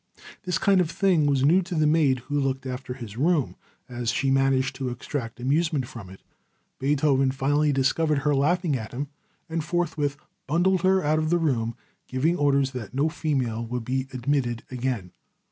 This kind of thing was new to the maid who looked after his room, and she managed to extract amusement from it. Beethoven finally discovered her laughing at him, and forthwith bundled her out of the room, giving orders that no female would be admitted again.